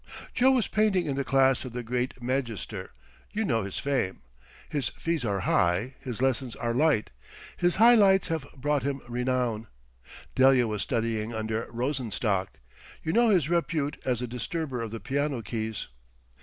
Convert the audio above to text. Joe was painting in the class of the great Magister—you know his fame. His fees are high; his lessons are light—his high lights have brought him renown. Delia was studying under Rosenstock—you know his repute as a disturber of the piano keys.